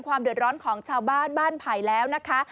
ความเดือดร้อนของชาวบ้านบ้านไผ่แล้วนะคะ